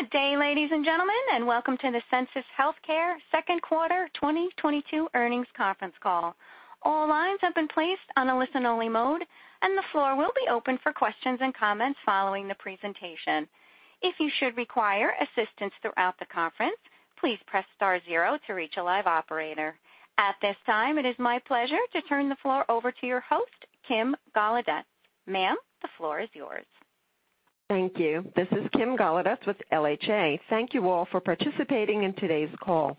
Good day, ladies and gentlemen, and welcome to the Sensus Healthcare second quarter 2022 earnings conference call. All lines have been placed on a listen-only mode, and the floor will be open for questions and comments following the presentation. If you should require assistance throughout the conference, please press star zero to reach a live operator. At this time, it is my pleasure to turn the floor over to your host, Kim Golodetz. Ma'am, the floor is yours. Thank you. This is Kim Golodetz with LHA. Thank you all for participating in today's call.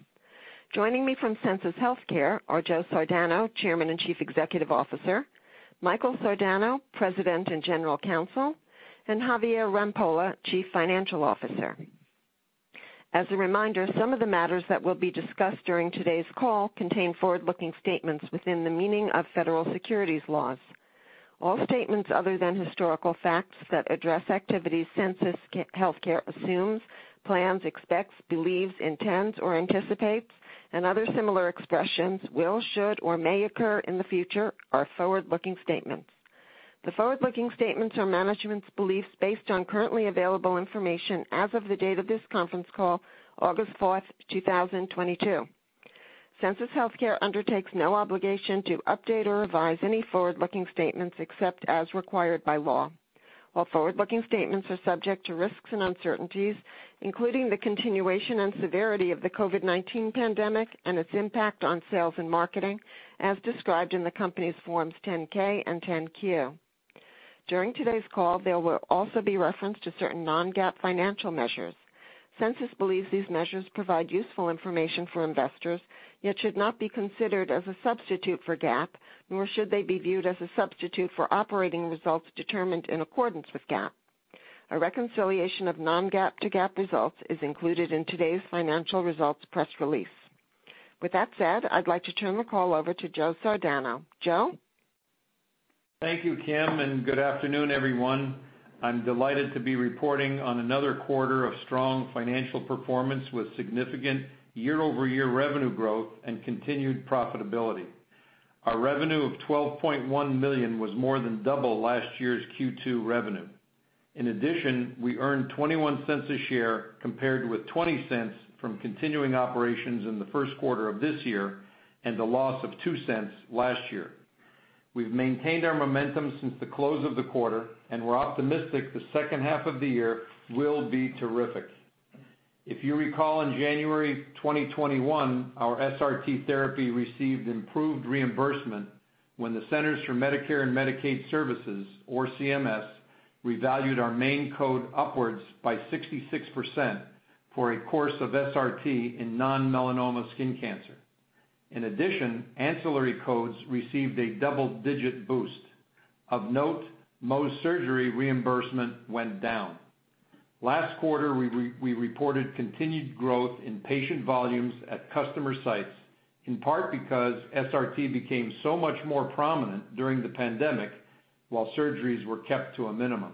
Joining me from Sensus Healthcare are Joe Sardano, Chairman and Chief Executive Officer, Michael Sardano, President and General Counsel, and Javier Rampolla, Chief Financial Officer. As a reminder, some of the matters that will be discussed during today's call contain forward-looking statements within the meaning of federal securities laws. All statements other than historical facts that address activities Sensus Healthcare assumes, plans, expects, believes, intends, or anticipates and other similar expressions will, should, or may occur in the future are forward-looking statements. The forward-looking statements are management's beliefs based on currently available information as of the date of this conference call, August fourth, two thousand twenty-two. Sensus Healthcare undertakes no obligation to update or revise any forward-looking statements except as required by law. All forward-looking statements are subject to risks and uncertainties, including the continuation and severity of the COVID-19 pandemic and its impact on sales and marketing, as described in the company's Forms 10-K and 10-Q. During today's call, there will also be reference to certain non-GAAP financial measures. Sensus believes these measures provide useful information for investors, yet should not be considered as a substitute for GAAP, nor should they be viewed as a substitute for operating results determined in accordance with GAAP. A reconciliation of non-GAAP to GAAP results is included in today's financial results press release. With that said, I'd like to turn the call over to Joe Sardano. Joe? Thank you, Kim, and good afternoon, everyone. I'm delighted to be reporting on another quarter of strong financial performance with significant year-over-year revenue growth and continued profitability. Our revenue of $12.1 million was more than double last year's Q2 revenue. In addition, we earned $0.21 a share compared with $0.20 from continuing operations in the first quarter of this year and a loss of $0.02 last year. We've maintained our momentum since the close of the quarter, and we're optimistic the second half of the year will be terrific. If you recall, in January 2021, our SRT therapy received improved reimbursement when the Centers for Medicare & Medicaid Services, or CMS, revalued our main code upwards by 66% for a course of SRT in non-melanoma skin cancer. In addition, ancillary codes received a double-digit boost. Of note, Mohs surgery reimbursement went down. Last quarter, we reported continued growth in patient volumes at customer sites, in part because SRT became so much more prominent during the pandemic while surgeries were kept to a minimum.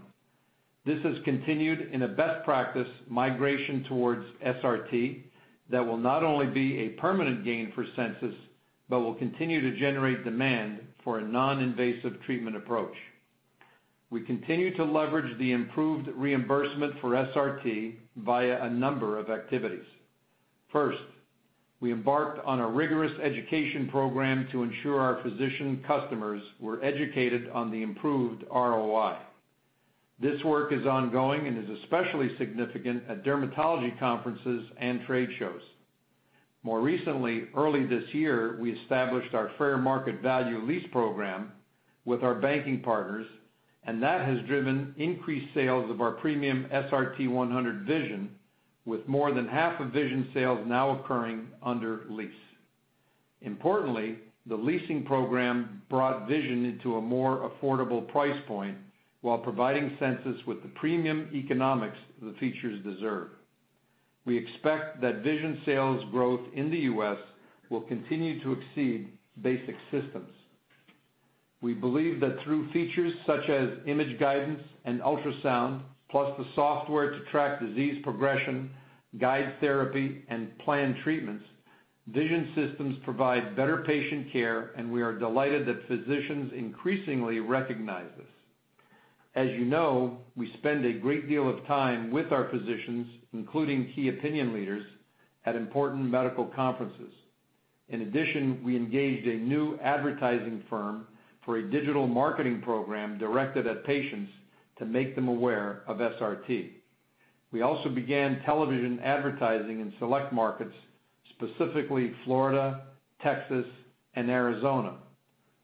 This has continued in a best practice migration towards SRT that will not only be a permanent gain for Sensus but will continue to generate demand for a non-invasive treatment approach. We continue to leverage the improved reimbursement for SRT via a number of activities. First, we embarked on a rigorous education program to ensure our physician customers were educated on the improved ROI. This work is ongoing and is especially significant at dermatology conferences and trade shows. More recently, early this year, we established our fair market value lease program with our banking partners, and that has driven increased sales of our premium SRT-100 Vision, with more than half of Vision sales now occurring under lease. Importantly, the leasing program brought Vision into a more affordable price point while providing Sensus with the premium economics the features deserve. We expect that Vision sales growth in the U.S. will continue to exceed basic systems. We believe that through features such as image guidance and ultrasound, plus the software to track disease progression, guide therapy, and plan treatments, Vision systems provide better patient care, and we are delighted that physicians increasingly recognize this. As you know, we spend a great deal of time with our physicians, including key opinion leaders, at important medical conferences. In addition, we engaged a new advertising firm for a digital marketing program directed at patients to make them aware of SRT. We also began television advertising in select markets, specifically Florida, Texas, and Arizona.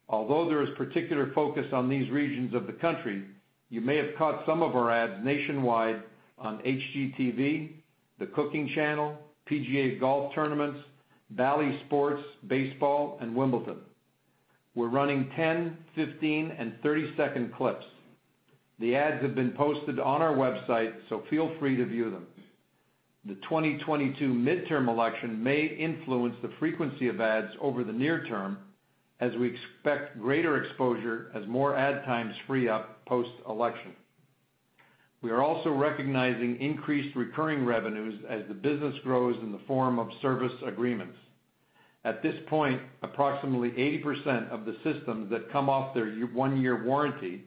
Although there is particular focus on these regions of the country, you may have caught some of our ads nationwide on HGTV, the Cooking Channel, PGA Golf tournaments, Bally Sports, baseball, and Wimbledon. We're running 10-, 15-, and 30-second clips. The ads have been posted on our website, so feel free to view them. The 2022 midterm election may influence the frequency of ads over the near term, as we expect greater exposure as more ad times free up post-election. We are also recognizing increased recurring revenues as the business grows in the form of service agreements. At this point, approximately 80% of the systems that come off their one-year warranty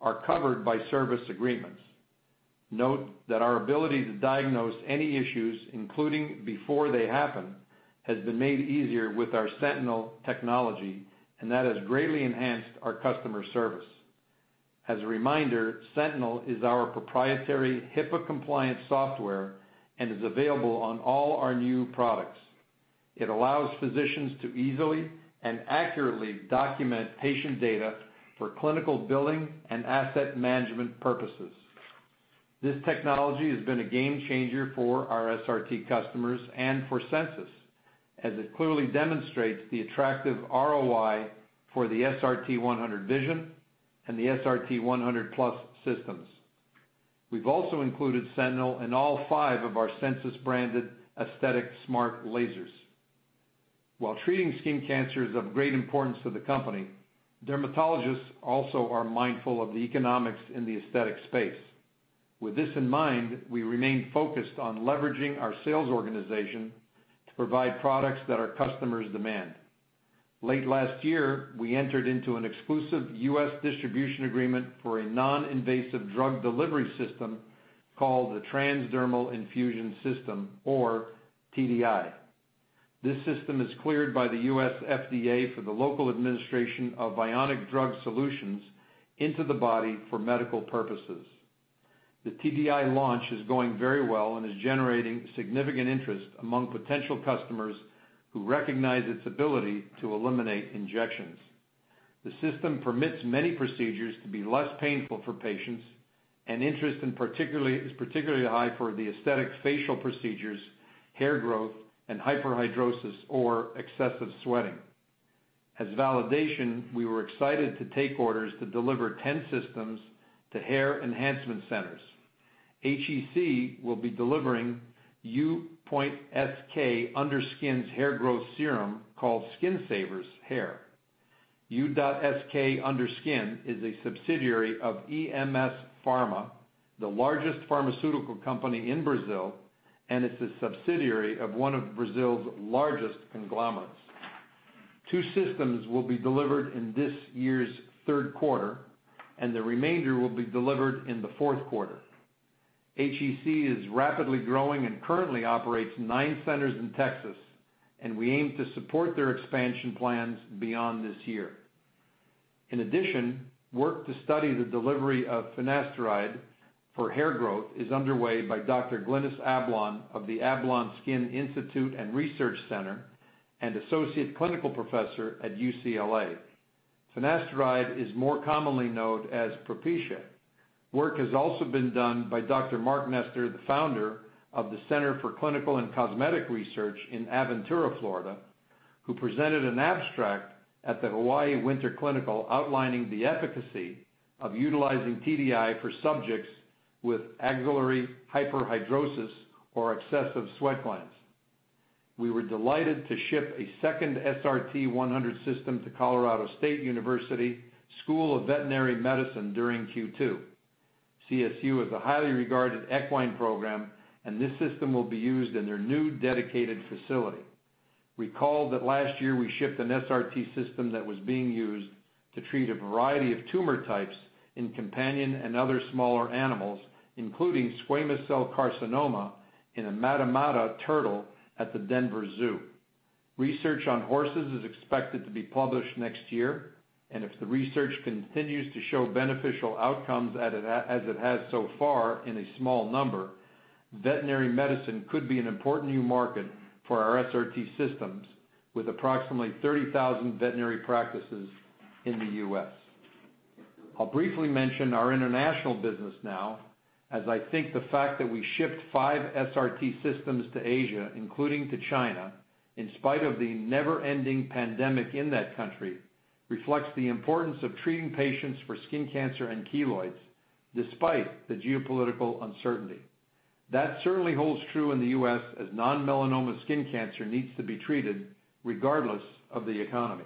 are covered by service agreements. Note that our ability to diagnose any issues, including before they happen, has been made easier with our Sentinel technology, and that has greatly enhanced our customer service. As a reminder, Sentinel is our proprietary HIPAA-compliant software and is available on all our new products. It allows physicians to easily and accurately document patient data for clinical billing and asset management purposes. This technology has been a game-changer for our SRT customers and for Sensus, as it clearly demonstrates the attractive ROI for the SRT-100 Vision and the SRT-100+ systems. We've also included Sentinel in all five of our Sensus-branded aesthetic smart lasers. While treating skin cancer is of great importance to the company, dermatologists also are mindful of the economics in the aesthetic space. With this in mind, we remain focused on leveraging our sales organization to provide products that our customers demand. Late last year, we entered into an exclusive U.S. distribution agreement for a non-invasive drug delivery system called the TransDermal Infusion System or TDI. This system is cleared by the U.S. FDA for the local administration of ionic drug solutions into the body for medical purposes. The TDI launch is going very well and is generating significant interest among potential customers who recognize its ability to eliminate injections. The system permits many procedures to be less painful for patients, and interest is particularly high for the aesthetic facial procedures, hair growth, and hyperhidrosis or excessive sweating. As validation, we were excited to take orders to deliver 10 systems to Hair Enhancement Centers. HEC will be delivering U.SK Under Skin's hair growth serum called Skin Savers Hair. U.SK Under Skin is a subsidiary of EMS, the largest pharmaceutical company in Brazil, and it's a subsidiary of one of Brazil's largest conglomerates. 2 systems will be delivered in this year's third quarter, and the remainder will be delivered in the fourth quarter. HEC is rapidly growing and currently operates nine centers in Texas, and we aim to support their expansion plans beyond this year. In addition, work to study the delivery of finasteride for hair growth is underway by Dr. Glynis Ablon of the Ablon Skin Institute and Research Center and Associate Clinical Professor at UCLA. Finasteride is more commonly known as Propecia. Work has also been done by Dr. Mark Nestor, the founder of the Center for Clinical and Cosmetic Research in Aventura, Florida, who presented an abstract at the Hawaii Winter Clinical outlining the efficacy of utilizing TDI for subjects with axillary hyperhidrosis or excessive sweat glands. We were delighted to ship a second SRT-100 system to Colorado State University College of Veterinary Medicine and Biomedical Sciences during Q2. CSU is a highly regarded equine program, and this system will be used in their new dedicated facility. Recall that last year we shipped an SRT system that was being used to treat a variety of tumor types in companion and other smaller animals, including squamous cell carcinoma in a matamata turtle at the Denver Zoo. Research on horses is expected to be published next year, and if the research continues to show beneficial outcomes as it has so far in a small number, veterinary medicine could be an important new market for our SRT systems with approximately 30,000 veterinary practices in the U.S. I'll briefly mention our international business now, as I think the fact that we shipped five SRT systems to Asia, including to China, in spite of the never-ending pandemic in that country, reflects the importance of treating patients for skin cancer and keloids despite the geopolitical uncertainty. That certainly holds true in the U.S. as non-melanoma skin cancer needs to be treated regardless of the economy.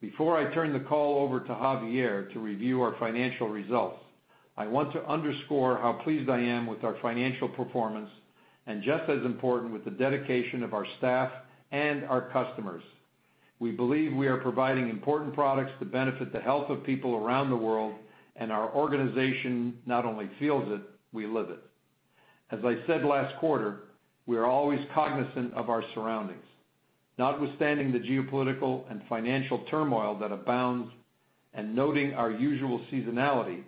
Before I turn the call over to Javier to review our financial results, I want to underscore how pleased I am with our financial performance and just as important, with the dedication of our staff and our customers. We believe we are providing important products that benefit the health of people around the world, and our organization not only feels it, we live it. As I said last quarter, we are always cognizant of our surroundings. Notwithstanding the geopolitical and financial turmoil that abounds and noting our usual seasonality,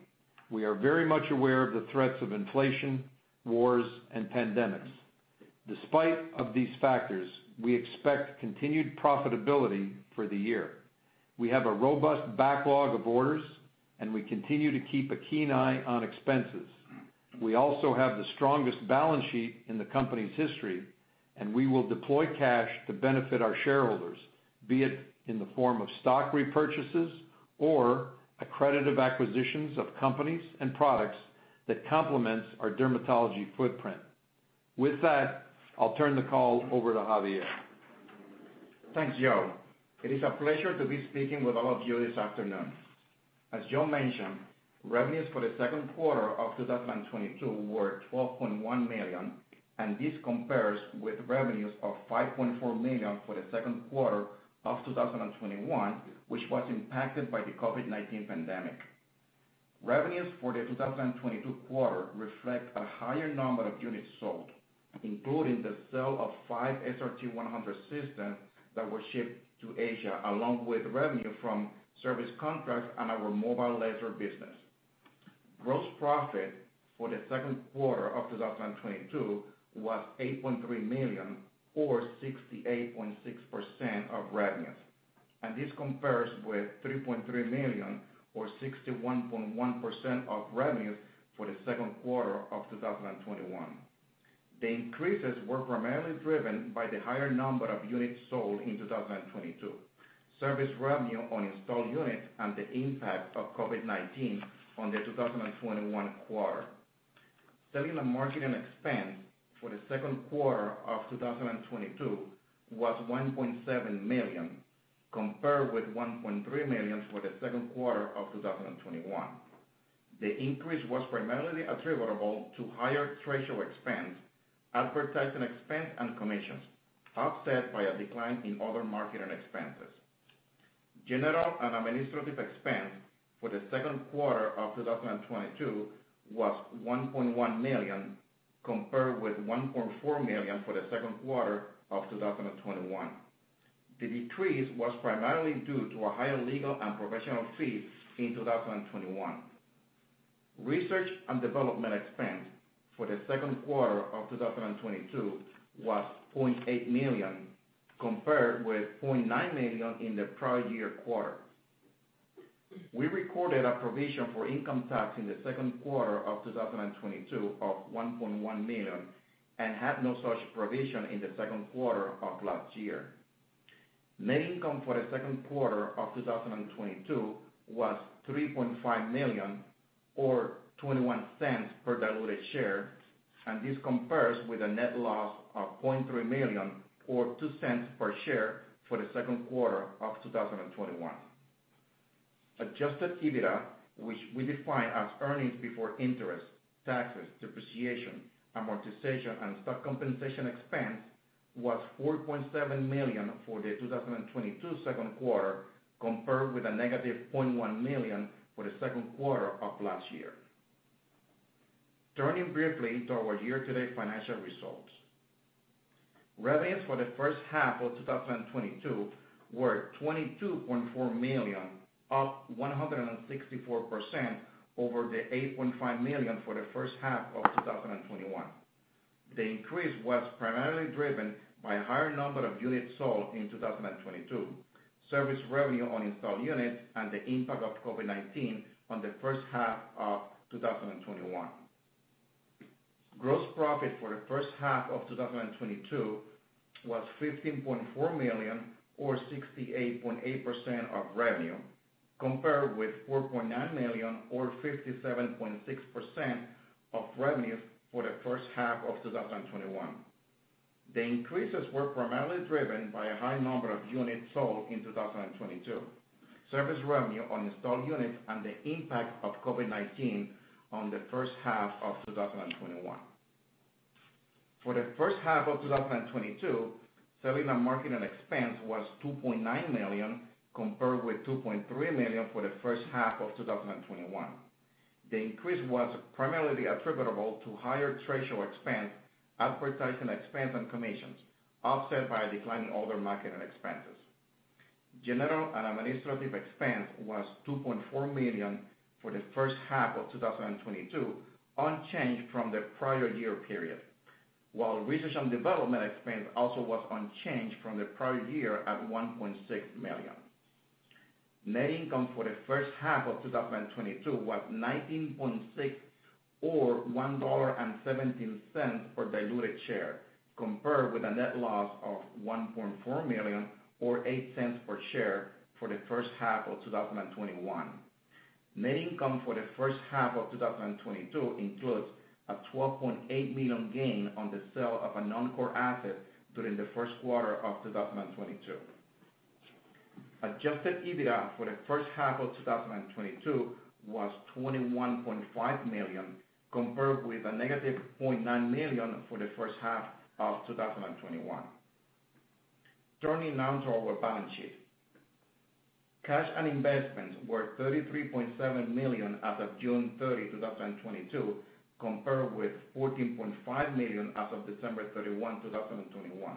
we are very much aware of the threats of inflation, wars, and pandemics. Despite of these factors, we expect continued profitability for the year. We have a robust backlog of orders, and we continue to keep a keen eye on expenses. We also have the strongest balance sheet in the company's history, and we will deploy cash to benefit our shareholders, be it in the form of stock repurchases or accredited acquisitions of companies and products that complements our dermatology footprint. With that, I'll turn the call over to Javier. Thanks, Joe. It is a pleasure to be speaking with all of you this afternoon. As Joe mentioned, revenues for the second quarter of 2022 were $12.1 million, and this compares with revenues of $5.4 million for the second quarter of 2021, which was impacted by the COVID-19 pandemic. Revenues for the 2022 quarter reflect a higher number of units sold, including the sale of five SRT-100 systems that were shipped to Asia, along with revenue from service contracts on our mobile laser business. Gross profit for the second quarter of 2022 was $8.3 million, or 68.6% of revenues. This compares with $3.3 million or 61.1% of revenues for the second quarter of 2021. The increases were primarily driven by the higher number of units sold in 2022, service revenue on installed units, and the impact of COVID-19 on the 2021 quarter. Selling and marketing expense for the second quarter of 2022 was $1.7 million, compared with $1.3 million for the second quarter of 2021. The increase was primarily attributable to higher trade show expense, advertising expense, and commissions, offset by a decline in other marketing expenses. General and administrative expense for the second quarter of 2022 was $1.1 million, compared with $1.4 million for the second quarter of 2021. The decrease was primarily due to higher legal and professional fees in 2021. Research and development expense for the second quarter of 2022 was $0.8 million, compared with $0.9 million in the prior year quarter. We recorded a provision for income tax in the second quarter of 2022 of $1.1 million and had no such provision in the second quarter of last year. Net income for the second quarter of 2022 was $3.5 million or $0.21 per diluted share, and this compares with a net loss of $0.3 million or $0.02 per share for the second quarter of 2021. Adjusted EBITDA, which we define as earnings before interest, taxes, depreciation, amortization, and stock compensation expense, was $4.7 million for the 2022 second quarter, compared with a -$0.1 million for the second quarter of last year. Turning briefly to our year-to-date financial results. Revenues for the first half of 2022 were $22.4 million, up 164% over the $8.5 million for the first half of 2021. The increase was primarily driven by higher number of units sold in 2022, service revenue on installed units, and the impact of COVID-19 on the first half of 2021. Gross profit for the first half of 2022 was $15.4 million or 68.8% of revenue, compared with $4.9 million or 57.6% of revenues for the first half of 2021. The increases were primarily driven by a high number of units sold in 2022, service revenue on installed units, and the impact of COVID-19 on the first half of 2021. For the first half of 2022, selling and marketing expense was $2.9 million, compared with $2.3 million for the first half of 2021. The increase was primarily attributable to higher trade show expense, advertising expense, and commissions, offset by a decline in other marketing expenses. General and administrative expense was $2.4 million for the first half of 2022, unchanged from the prior year period, while research and development expense also was unchanged from the prior year at $1.6 million. Net income for the first half of 2022 was $19.6 million or $1.17 per diluted share, compared with a net loss of $1.4 million or $0.08 per share for the first half of 2021. Net income for the first half of 2022 includes a $12.8 million gain on the sale of a non-core asset during the first quarter of 2022. Adjusted EBITDA for the first half of 2022 was $21.5 million, compared with a -$0.9 million for the first half of 2021. Turning now to our balance sheet. Cash and investments were $33.7 million as of June 30, 2022, compared with $14.5 million as of December 31, 2021.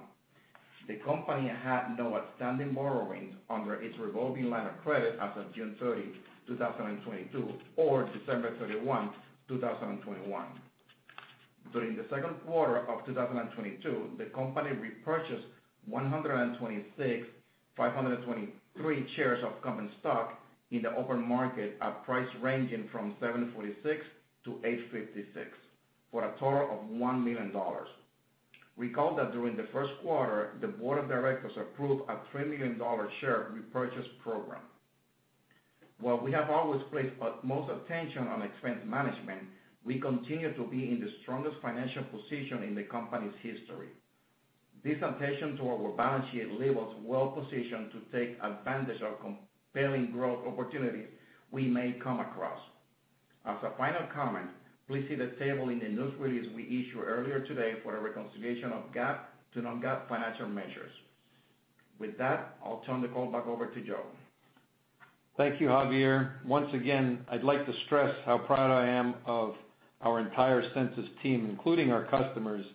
The company had no outstanding borrowings under its revolving line of credit as of June 30, 2022 or December 31, 2021. During the second quarter of 2022, the company repurchased 126,523 shares of common stock in the open market at prices ranging from $7.46-$8.56, for a total of $1 million. Recall that during the first quarter, the board of directors approved a $3 million share repurchase program. While we have always placed most attention on expense management, we continue to be in the strongest financial position in the company's history. This attention to our balance sheet leave us well positioned to take advantage of compelling growth opportunities we may come across. As a final comment, please see the table in the news release we issued earlier today for a reconciliation of GAAP to non-GAAP financial measures. With that, I'll turn the call back over to Joe. Thank you, Javier. Once again, I'd like to stress how proud I am of our entire Sensus team, including our customers,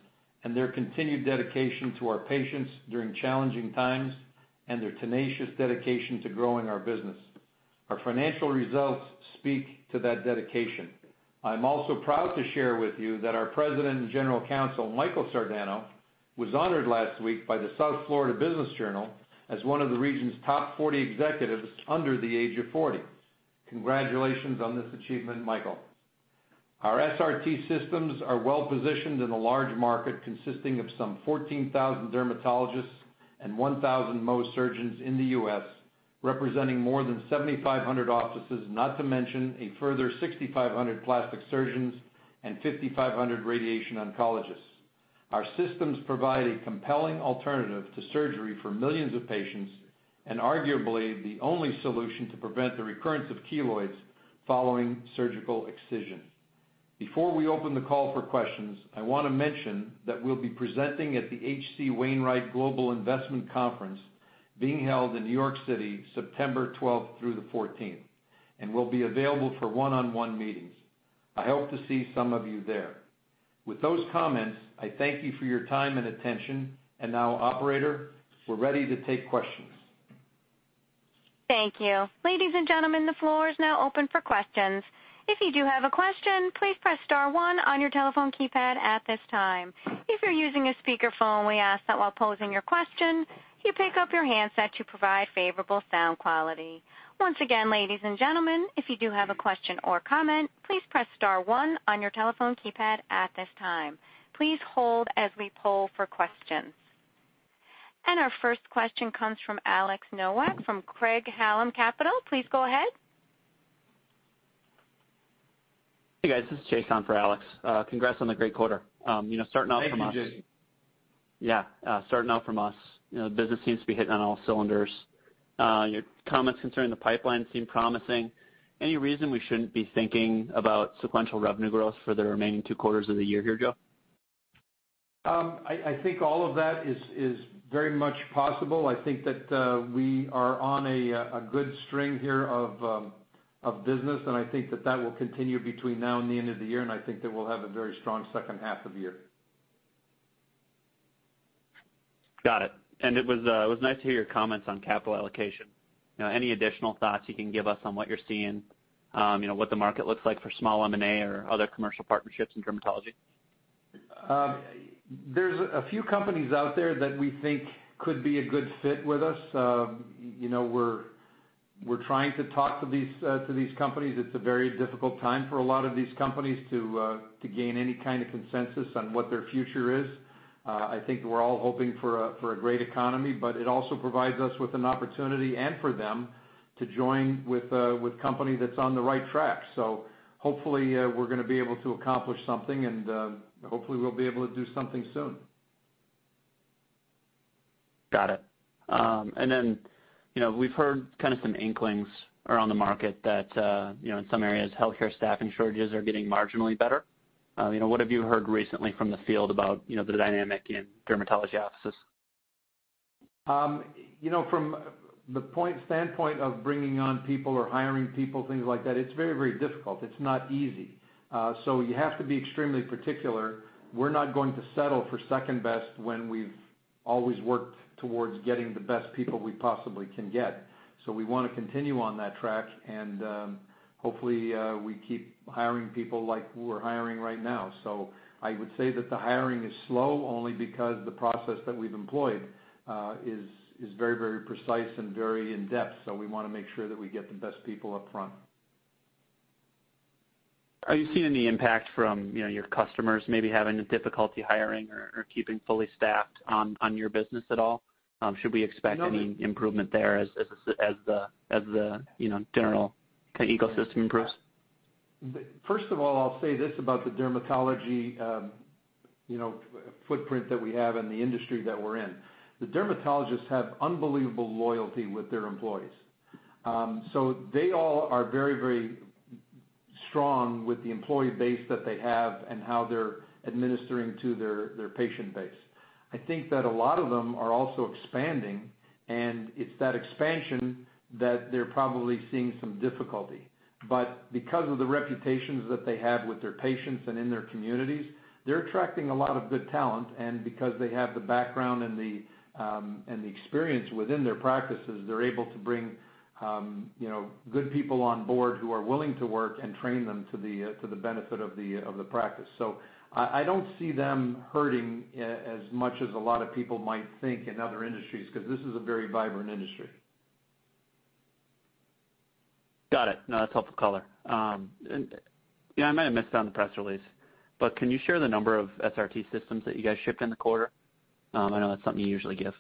and their continued dedication to our patients during challenging times and their tenacious dedication to growing our business. Our financial results speak to that dedication. I'm also proud to share with you that our President and General Counsel, Michael Sardano, was honored last week by the South Florida Business Journal as one of the region's top 40 executives under the age of 40. Congratulations on this achievement, Michael. Our SRT systems are well positioned in a large market consisting of some 14,000 dermatologists and 1,000 Mohs surgeons in the U.S., representing more than 7,500 offices, not to mention a further 6,500 plastic surgeons and 5,500 radiation oncologists. Our systems provide a compelling alternative to surgery for millions of patients, and arguably the only solution to prevent the recurrence of keloids following surgical excision. Before we open the call for questions, I want to mention that we'll be presenting at the H.C. Wainwright Global Investment Conference being held in New York City, September twelfth through the fourteenth, and we'll be available for one-on-one meetings. I hope to see some of you there. With those comments, I thank you for your time and attention. Now, operator, we're ready to take questions. Thank you. Ladies and gentlemen, the floor is now open for questions. If you do have a question, please press star one on your telephone keypad at this time. If you're using a speakerphone, we ask that while posing your question, you pick up your handset to provide favorable sound quality. Once again, ladies and gentlemen, if you do have a question or comment, please press star one on your telephone keypad at this time. Please hold as we poll for questions. Our first question comes from Alex Nowak from Craig-Hallum Capital Group. Please go ahead. Hey, guys. This is Jay on for Alex. Congrats on the great quarter. You know, starting off from us- Thank you, Jay. Yeah. Starting out from us, you know, the business seems to be hitting on all cylinders. Your comments concerning the pipeline seem promising. Any reason we shouldn't be thinking about sequential revenue growth for the remaining two quarters of the year here, Joe? I think all of that is very much possible. I think that we are on a good string here of business, and I think that that will continue between now and the end of the year, and I think that we'll have a very strong second half of the year. Got it. It was nice to hear your comments on capital allocation. You know, any additional thoughts you can give us on what you're seeing, you know, what the market looks like for small M&A or other commercial partnerships in dermatology? There's a few companies out there that we think could be a good fit with us. You know, we're trying to talk to these companies. It's a very difficult time for a lot of these companies to gain any kind of consensus on what their future is. I think we're all hoping for a great economy, but it also provides us with an opportunity and for them to join with a company that's on the right track. Hopefully, we're gonna be able to accomplish something and, hopefully we'll be able to do something soon. Got it. You know, we've heard kind of some inklings around the market that, you know, in some areas, healthcare staff shortages are getting marginally better. You know, what have you heard recently from the field about, you know, the dynamic in dermatology offices? You know, from a standpoint of bringing on people or hiring people, things like that, it's very, very difficult. It's not easy. You have to be extremely particular. We're not going to settle for second best when we've always worked towards getting the best people we possibly can get. We wanna continue on that track and, hopefully, we keep hiring people like who we're hiring right now. I would say that the hiring is slow only because the process that we've employed is very, very precise and very in-depth, so we wanna make sure that we get the best people up front. Are you seeing any impact from, you know, your customers maybe having difficulty hiring or keeping fully staffed on your business at all? Should we expect any improvement there as the, you know, general ecosystem improves? First of all, I'll say this about the dermatology, you know, footprint that we have and the industry that we're in. The dermatologists have unbelievable loyalty with their employees. They all are very, very strong with the employee base that they have and how they're administering to their patient base. I think that a lot of them are also expanding, and it's that expansion that they're probably seeing some difficulty. Because of the reputations that they have with their patients and in their communities, they're attracting a lot of good talent. Because they have the background and the, and the experience within their practices, they're able to bring, you know, good people on board who are willing to work and train them to the benefit of the practice. I don't see them hurting as much as a lot of people might think in other industries, 'cause this is a very vibrant industry. Got it. No, that's helpful color. You know, I might have missed it on the press release, but can you share the number of SRT systems that you guys shipped in the quarter? I know that's something you usually give.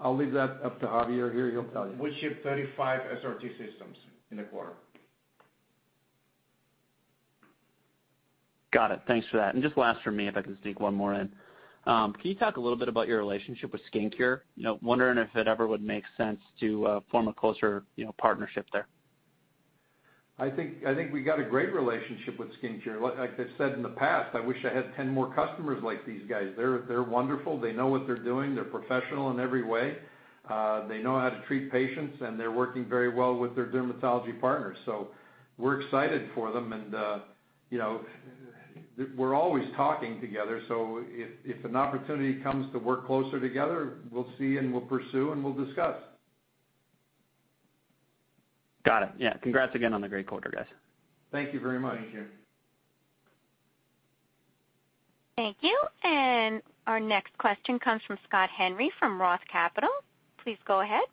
I'll leave that up to Javier here. He'll tell you. We shipped 35 SRT systems in the quarter. Got it. Thanks for that. Just last for me, if I can sneak one more in. Can you talk a little bit about your relationship with SkinCure Oncology? You know, wondering if it ever would make sense to form a closer, you know, partnership there. I think we got a great relationship with SkinCure Oncology. Like I said in the past, I wish I had 10 more customers like these guys. They're wonderful. They know what they're doing. They're professional in every way. They know how to treat patients, and they're working very well with their dermatology partners. We're excited for them and, you know, we're always talking together, so if an opportunity comes to work closer together, we'll see, and we'll pursue, and we'll discuss. Got it. Yeah. Congrats again on the great quarter, guys. Thank you very much. Thank you. Thank you. Our next question comes from Scott Henry, from Roth Capital. Please go ahead.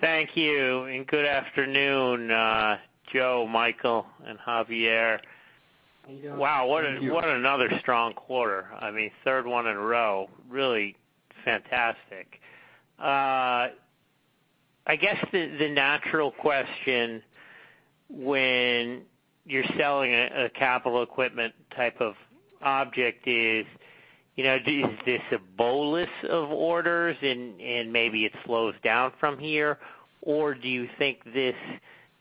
Thank you, and good afternoon, Joe, Michael, and Javier. How you doing? Wow, what another strong quarter. I mean, third one in a row. Really fantastic. I guess the natural question when you're selling a capital equipment type of object is, you know, is this a bolus of orders and maybe it slows down from here? Or do you think this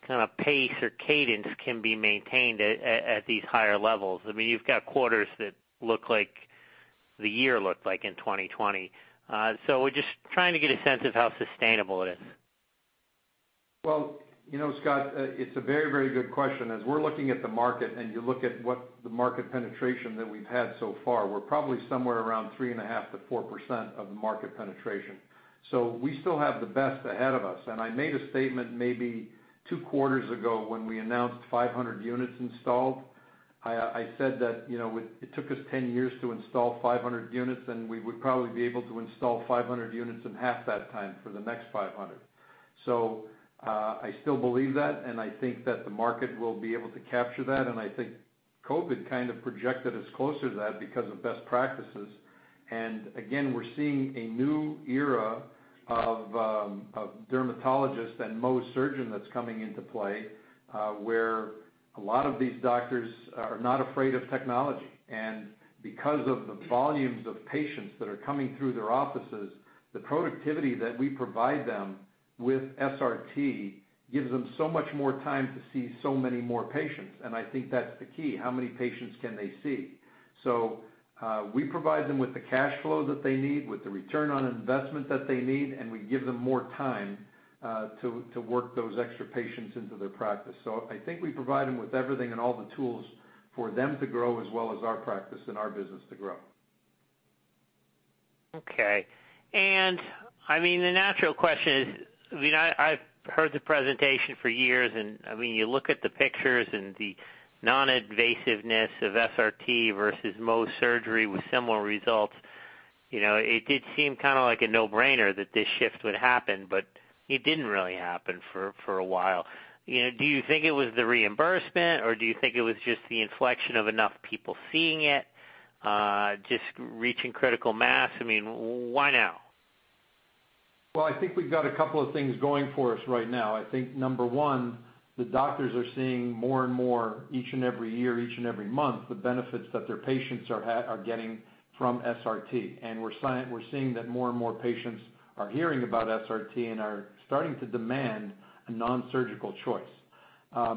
kinda pace or cadence can be maintained at these higher levels? I mean, you've got quarters that look like the year looked like in 2020. We're just trying to get a sense of how sustainable it is. Well, you know, Scott, it's a very, very good question. As we're looking at the market, and you look at what the market penetration that we've had so far, we're probably somewhere around 3.5%-4% of the market penetration. We still have the rest ahead of us. I made a statement maybe two quarters ago when we announced 500 units installed. I said that, you know, it took us 10 years to install 500 units, and we would probably be able to install 500 units in half that time for the next 500. I still believe that, and I think that the market will be able to capture that. I think COVID kind of propelled us closer to that because of best practices. Again, we're seeing a new era of dermatologists and Mohs surgeon that's coming into play, where a lot of these doctors are not afraid of technology. Because of the volumes of patients that are coming through their offices, the productivity that we provide them with SRT gives them so much more time to see so many more patients. I think that's the key, how many patients can they see? We provide them with the cash flow that they need, with the return on investment that they need, and we give them more time to work those extra patients into their practice. I think we provide them with everything and all the tools for them to grow as well as our practice and our business to grow. Okay. I mean, the natural question is, I mean, I've heard the presentation for years, and I mean, you look at the pictures and the non-invasiveness of SRT versus Mohs surgery with similar results. You know, it did seem kinda like a no-brainer that this shift would happen, but it didn't really happen for a while. You know, do you think it was the reimbursement, or do you think it was just the inflection of enough people seeing it, just reaching critical mass? I mean, why now? Well, I think we've got a couple of things going for us right now. I think, number one, the doctors are seeing more and more each and every year, each and every month, the benefits that their patients are getting from SRT. We're seeing that more and more patients are hearing about SRT and are starting to demand a non-surgical choice.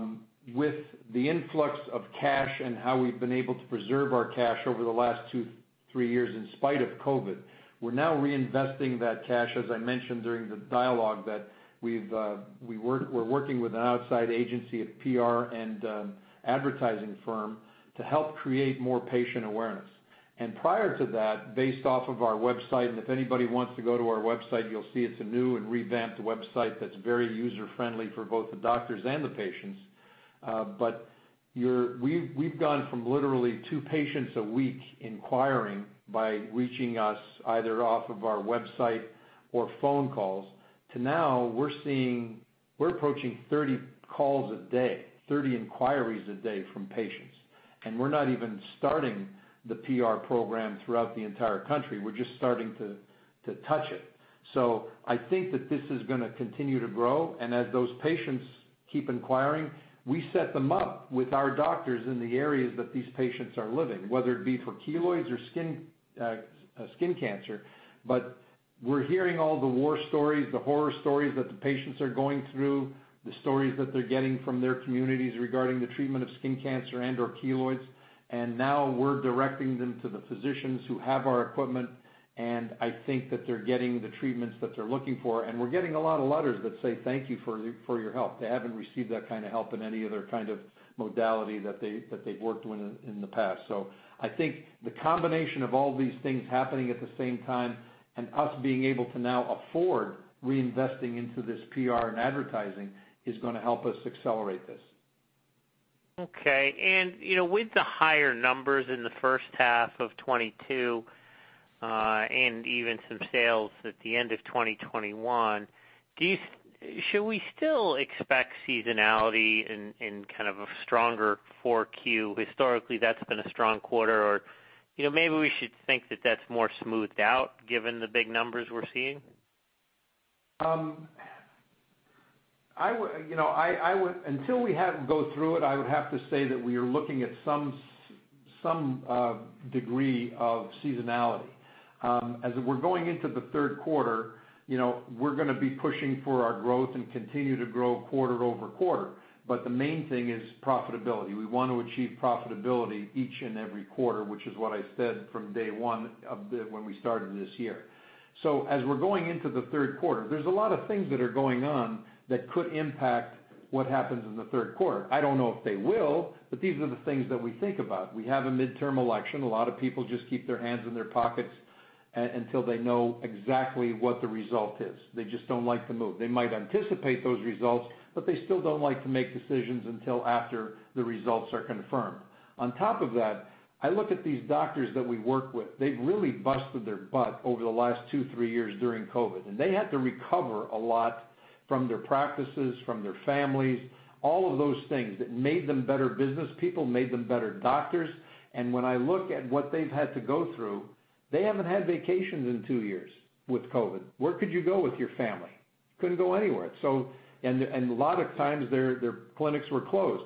With the influx of cash and how we've been able to preserve our cash over the last 2, 3 years in spite of COVID, we're now reinvesting that cash, as I mentioned during the dialogue, that we're working with an outside agency, a PR and advertising firm, to help create more patient awareness. Prior to that, based off of our website, and if anybody wants to go to our website, you'll see it's a new and revamped website that's very user-friendly for both the doctors and the patients. But you're—we've gone from literally 2 patients a week inquiring by reaching us either off of our website or phone calls to now we're seeing—we're approaching 30 calls a day, 30 inquiries a day from patients. We're not even starting the PR program throughout the entire country. We're just starting to touch it. I think that this is gonna continue to grow. As those patients keep inquiring, we set them up with our doctors in the areas that these patients are living, whether it be for keloids or skin cancer. We're hearing all the war stories, the horror stories that the patients are going through, the stories that they're getting from their communities regarding the treatment of skin cancer and/or keloids. Now we're directing them to the physicians who have our equipment, and I think that they're getting the treatments that they're looking for. We're getting a lot of letters that say thank you for your help. They haven't received that kind of help in any other kind of modality that they've worked with in the past. I think the combination of all these things happening at the same time and us being able to now afford reinvesting into this PR and advertising is gonna help us accelerate this. Okay. You know, with the higher numbers in the first half of 2022, and even some sales at the end of 2021, should we still expect seasonality in kind of a stronger Q4? Historically, that's been a strong quarter. Or, you know, maybe we should think that that's more smoothed out given the big numbers we're seeing. You know, I would have to say that we are looking at some degree of seasonality. As we're going into the third quarter, you know, we're gonna be pushing for our growth and continue to grow quarter-over-quarter. The main thing is profitability. We want to achieve profitability each and every quarter, which is what I said from day one when we started this year. As we're going into the third quarter, there's a lot of things that are going on that could impact what happens in the third quarter. I don't know if they will, but these are the things that we think about. We have a midterm election. A lot of people just keep their hands in their pockets until they know exactly what the result is. They just don't like to move. They might anticipate those results, but they still don't like to make decisions until after the results are confirmed. On top of that, I look at these doctors that we work with. They've really busted their butt over the last 2, 3 years during COVID, and they had to recover a lot from their practices, from their families, all of those things that made them better business people, made them better doctors. When I look at what they've had to go through, they haven't had vacations in 2 years with COVID. Where could you go with your family? Couldn't go anywhere. A lot of times their clinics were closed.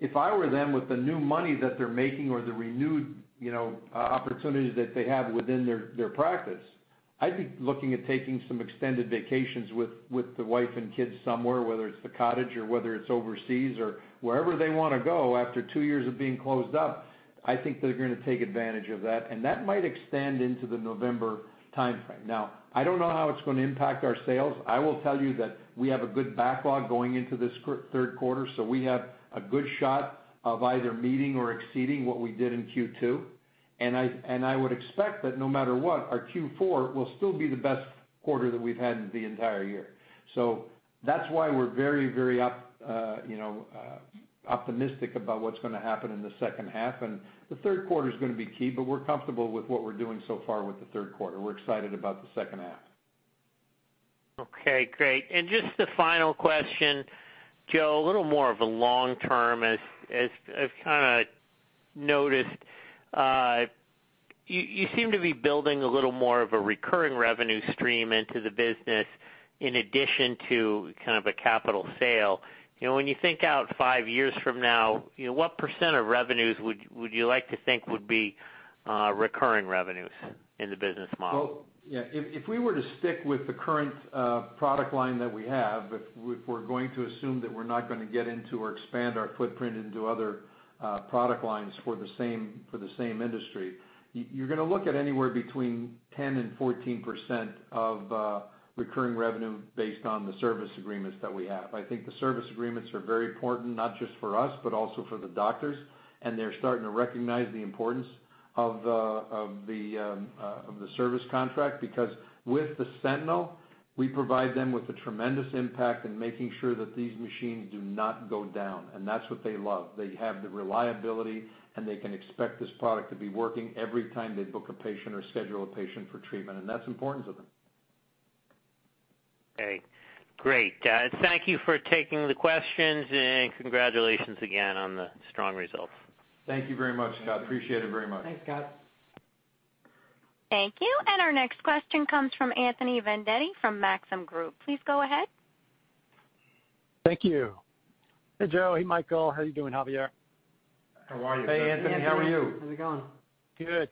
If I were them with the new money that they're making or the renewed, you know, opportunities that they have within their practice, I'd be looking at taking some extended vacations with the wife and kids somewhere, whether it's the cottage or whether it's overseas or wherever they wanna go after two years of being closed up. I think they're gonna take advantage of that, and that might extend into the November timeframe. Now, I don't know how it's gonna impact our sales. I will tell you that we have a good backlog going into this third quarter, so we have a good shot of either meeting or exceeding what we did in Q2. I would expect that no matter what, our Q4 will still be the best quarter that we've had in the entire year. That's why we're very, very up, you know, optimistic about what's gonna happen in the second half. The third quarter is gonna be key, but we're comfortable with what we're doing so far with the third quarter. We're excited about the second half. Okay, great. Just the final question, Joe, a little more of a long term, as I've kinda noticed, you seem to be building a little more of a recurring revenue stream into the business in addition to kind of a capital sale. You know, when you think out five years from now, you know, what % of revenues would you like to think would be recurring revenues in the business model? Well, yeah. If we were to stick with the current product line that we have, if we're going to assume that we're not gonna get into or expand our footprint into other product lines for the same industry, you're gonna look at anywhere between 10%-14% of recurring revenue based on the service agreements that we have. I think the service agreements are very important, not just for us, but also for the doctors, and they're starting to recognize the importance of the service contract, because with the Sentinel, we provide them with a tremendous impact in making sure that these machines do not go down, and that's what they love. They have the reliability, and they can expect this product to be working every time they book a patient or schedule a patient for treatment, and that's important to them. Okay, great. Thank you for taking the questions and congratulations again on the strong results. Thank you very much, Scott. Appreciate it very much. Thanks, Scott. Thank you. Our next question comes from Anthony Vendetti from Maxim Group. Please go ahead. Thank you. Hey, Joe. Hey, Michael. How are you doing, Javier? How are you? Hey, Anthony. How are you? How's it going?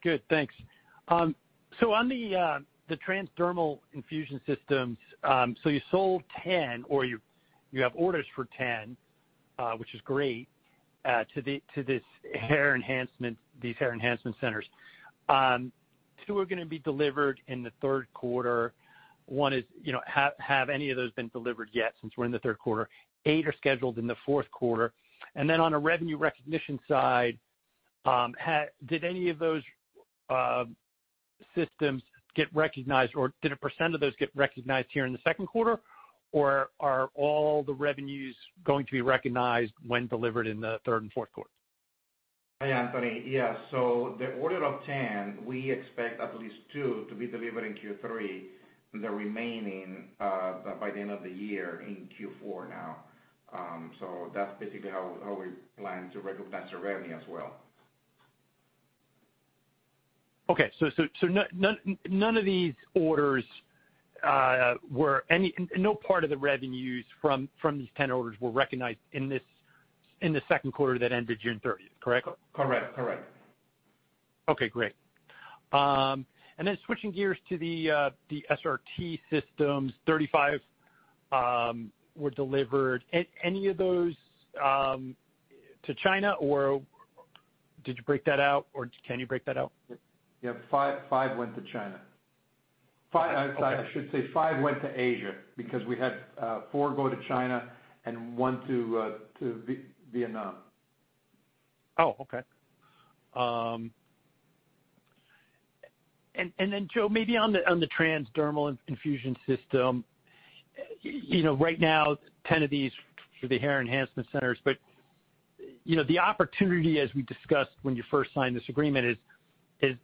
Good. Thanks. On the TransDermal Infusion systems, you sold 10 or you have orders for 10, which is great, to these Hair Enhancement Centers. Two are gonna be delivered in the third quarter. Or have any of those been delivered yet since we're in the third quarter? You know, 8 are scheduled in the fourth quarter. On a revenue recognition side, did any of those systems get recognized, or did a percent of those get recognized here in the second quarter, or are all the revenues going to be recognized when delivered in the third and fourth quarter? Hey, Anthony. Yeah. The order of 10, we expect at least two to be delivered in Q3, the remaining by the end of the year in Q4 now. That's basically how we plan to recognize the revenue as well. None of these orders, no part of the revenues from these 10 orders were recognized in the second quarter that ended June 30th, correct? Correct. Okay, great. Switching gears to the SRT systems, 35 were delivered. Any of those to China, or did you break that out, or can you break that out? Yeah. Five went to China. I should say five went to Asia because we had four go to China and one to Vietnam. Oh, okay. Joe, maybe on the TransDermal Infusion System, you know, right now, 10 of these for the Hair Enhancement Centers. The opportunity as we discussed when you first signed this agreement is,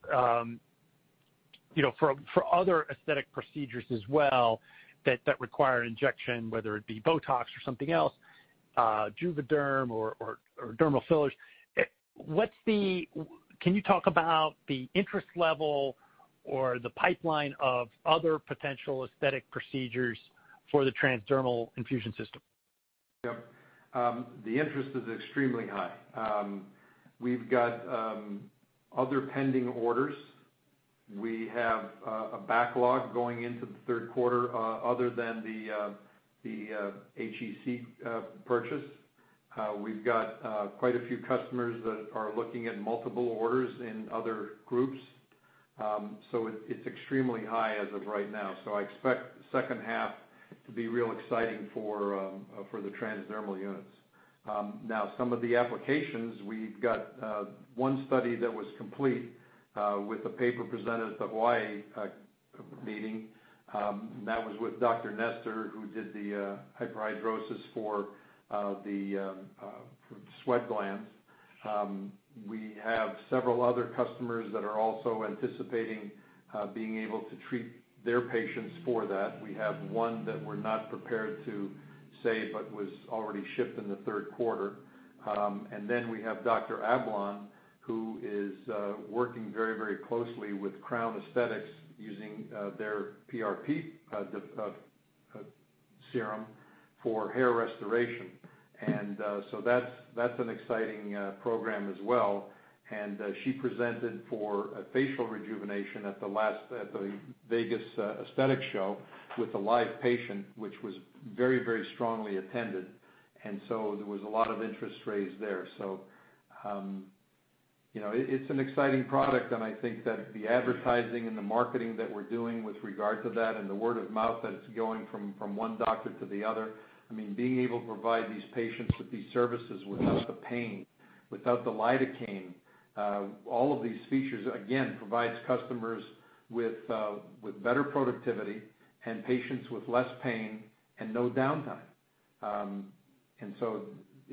you know, for other aesthetic procedures as well that require injection, whether it be Botox or something else, Juvéderm or dermal fillers. Can you talk about the interest level or the pipeline of other potential aesthetic procedures for the TransDermal Infusion System? Yep. The interest is extremely high. We've got other pending orders. We have a backlog going into the third quarter, other than the HEC purchase. We've got quite a few customers that are looking at multiple orders in other groups. It's extremely high as of right now. I expect the second half to be real exciting for the transdermal units. Now some of the applications, we've got one study that was complete, with a paper presented at the Hawaii meeting, and that was with Dr. Nestor, who did the hyperhidrosis for the sweat glands. We have several other customers that are also anticipating being able to treat their patients for that. We have one that we're not prepared to say but was already shipped in the third quarter. We have Dr. Ablon, who is working very, very closely with Crown Aesthetics using their PRP serum for hair restoration. That's an exciting program as well. She presented for a facial rejuvenation at the last Vegas aesthetic show with a live patient, which was very, very strongly attended. There was a lot of interest raised there. You know, it's an exciting product, and I think that the advertising and the marketing that we're doing with regard to that and the word of mouth that it's going from one doctor to the other. I mean, being able to provide these patients with these services without the pain, without the lidocaine, all of these features again provides customers with better productivity and patients with less pain and no downtime.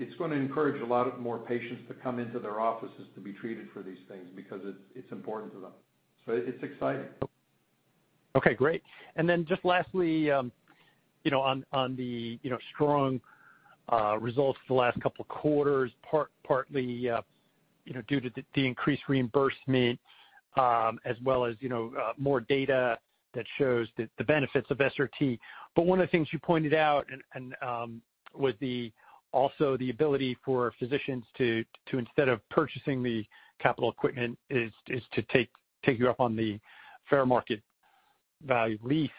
It's gonna encourage a lot more patients to come into their offices to be treated for these things because it's important to them. It's exciting. Okay, great. Then just lastly, you know, on the strong results for the last couple of quarters, partly, you know, due to the increased reimbursement, as well as, you know, more data that shows the benefits of SRT. But one of the things you pointed out was also the ability for physicians to instead of purchasing the capital equipment is to take you up on the fair market value lease.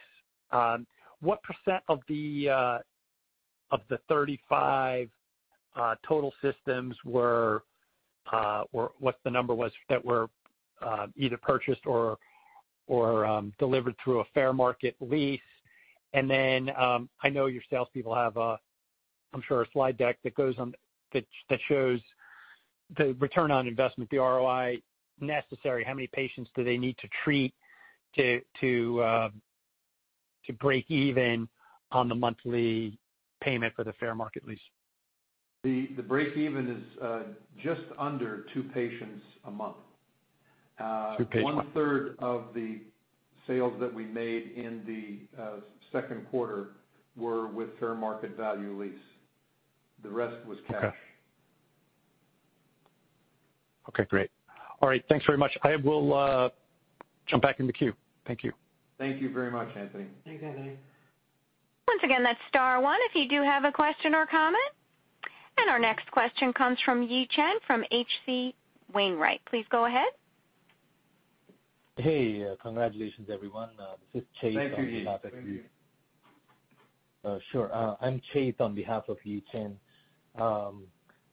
What percent of the 35 total systems were or what the number was that were either purchased or delivered through a fair market lease? I know your salespeople have a, I'm sure, a slide deck that shows the return on investment, the ROI necessary, how many patients do they need to treat to break even on the monthly payment for the fair market lease? The break even is just under two patients a month. Two patients a month. One-third of the sales that we made in the second quarter were with fair market value lease. The rest was cash. Okay. Okay, great. All right. Thanks very much. I will jump back in the queue. Thank you. Thank you very much, Anthony. Thanks, Anthony. Once again, that's star one if you do have a question or comment. Our next question comes from Yi Chen from H.C. Wainwright. Please go ahead. Hey, congratulations, everyone. This is Chase on behalf of. Thank you, Yi. Thank you. Sure. I'm Chase on behalf of Yi Chen.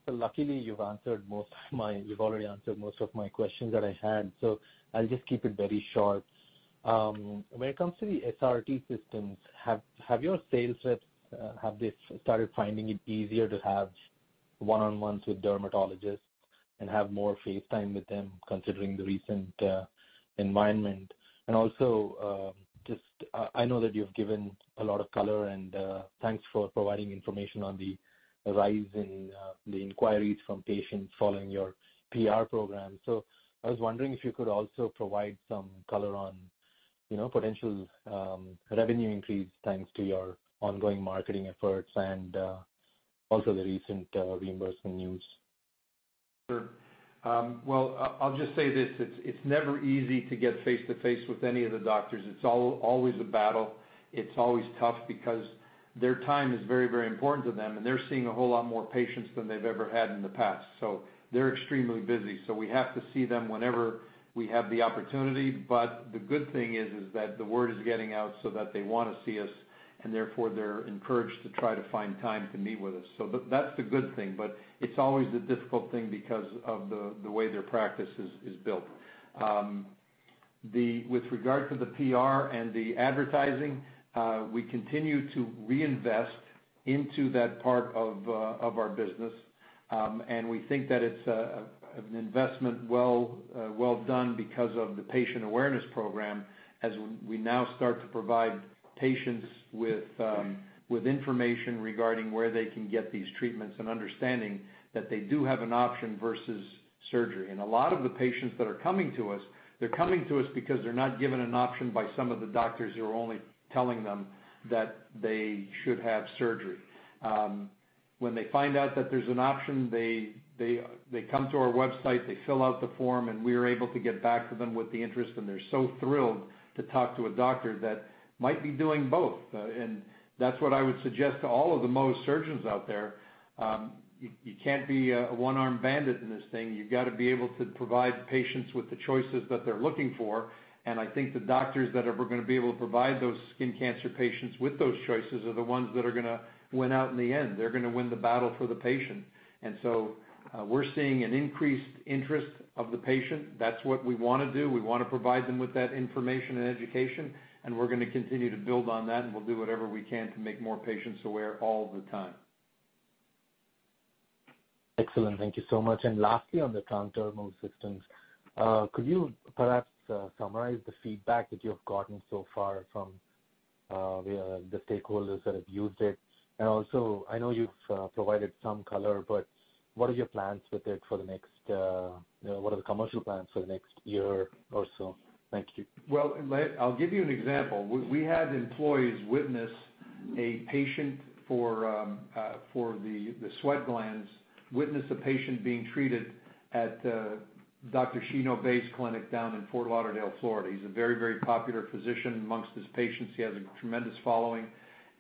Luckily, you've already answered most of my questions that I had, so I'll just keep it very short. When it comes to the SRT systems, have your sales reps started finding it easier to have one-on-ones with dermatologists and have more face time with them considering the recent environment? I know that you've given a lot of color, and thanks for providing information on the rise in the inquiries from patients following your PR program. I was wondering if you could also provide some color on, you know, potential revenue increase thanks to your ongoing marketing efforts and also the recent reimbursement news. Sure. Well, I'll just say this, it's never easy to get face-to-face with any of the doctors. It's always a battle. It's always tough because their time is very important to them, and they're seeing a whole lot more patients than they've ever had in the past. They're extremely busy. We have to see them whenever we have the opportunity. The good thing is that the word is getting out so that they wanna see us, and therefore, they're encouraged to try to find time to meet with us. That's the good thing, but it's always a difficult thing because of the way their practice is built. With regard to the PR and the advertising, we continue to reinvest into that part of our business. We think that it's an investment well done because of the patient awareness program as we now start to provide patients with information regarding where they can get these treatments and understanding that they do have an option versus surgery. A lot of the patients that are coming to us, they're coming to us because they're not given an option by some of the doctors who are only telling them that they should have surgery. When they find out that there's an option, they come to our website, they fill out the form, and we are able to get back to them with the interest, and they're so thrilled to talk to a doctor that might be doing both. That's what I would suggest to all of the Mohs surgeons out there. You can't be a one-armed bandit in this thing. You've gotta be able to provide patients with the choices that they're looking for. I think the doctors gonna be able to provide those skin cancer patients with those choices are the ones that are gonna win out in the end. They're gonna win the battle for the patient. We're seeing an increased interest of the patient. That's what we wanna do. We wanna provide them with that information and education, and we're gonna continue to build on that, and we'll do whatever we can to make more patients aware all the time. Excellent. Thank you so much. Lastly, on the TransDermal Infusion systems, could you perhaps summarize the feedback that you have gotten so far from the stakeholders that have used it? Also, I know you've provided some color, but what are your plans with it for the next, you know, what are the commercial plans for the next year or so? Thank you. I'll give you an example. We had employees witness a patient for the sweat glands, witness a patient being treated at Dr. Shino Bay's clinic down in Fort Lauderdale, Florida. He's a very, very popular physician among his patients. He has a tremendous following.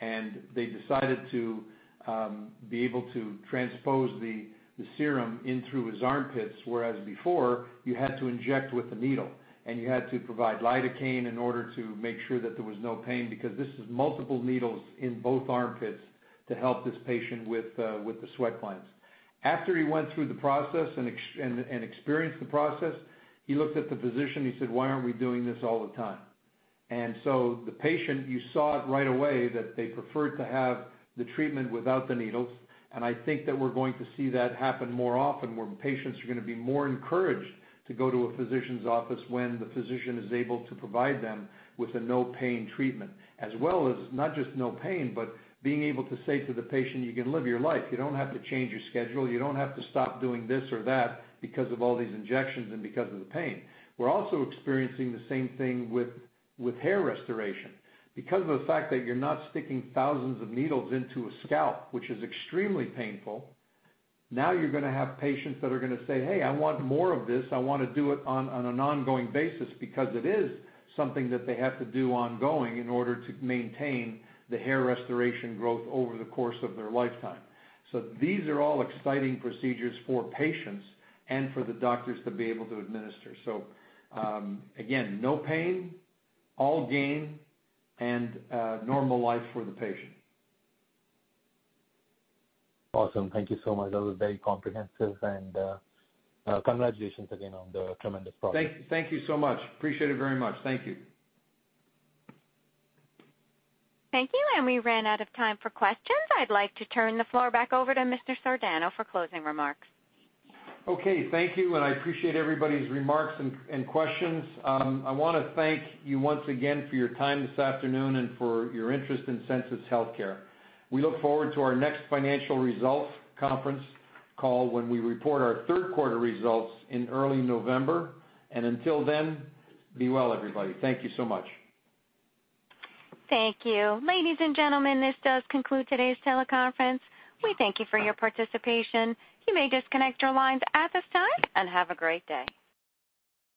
They decided to be able to transport the serum in through his armpits, whereas before you had to inject with the needle, and you had to provide lidocaine in order to make sure that there was no pain because this is multiple needles in both armpits to help this patient with the sweat glands. After he went through the process and experienced the process, he looked at the physician, he said, "Why aren't we doing this all the time?" The patient, you saw it right away that they preferred to have the treatment without the needles. I think that we're going to see that happen more often, where patients are gonna be more encouraged to go to a physician's office when the physician is able to provide them with a no pain treatment, as well as not just no pain, but being able to say to the patient, you can live your life. You don't have to change your schedule. You don't have to stop doing this or that because of all these injections and because of the pain. We're also experiencing the same thing with hair restoration. Because of the fact that you're not sticking thousands of needles into a scalp, which is extremely painful, now you're gonna have patients that are gonna say, "Hey, I want more of this. I wanna do it on an ongoing basis," because it is something that they have to do ongoing in order to maintain the hair restoration growth over the course of their lifetime. These are all exciting procedures for patients and for the doctors to be able to administer. Again, no pain, all gain, and a normal life for the patient. Awesome. Thank you so much. That was very comprehensive and, congratulations again on the tremendous progress. Thank you so much. Appreciate it very much. Thank you. Thank you. We ran out of time for questions. I'd like to turn the floor back over to Mr. Sardano for closing remarks. Okay. Thank you, and I appreciate everybody's remarks and questions. I wanna thank you once again for your time this afternoon and for your interest in Sensus Healthcare. We look forward to our next financial results conference call when we report our third quarter results in early November. Until then, be well, everybody. Thank you so much. Thank you. Ladies and gentlemen, this does conclude today's teleconference. We thank you for your participation. You may disconnect your lines at this time, and have a great day.